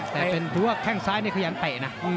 เป็นรั่วแข้งซ้ายนี่เขายังเตะนะ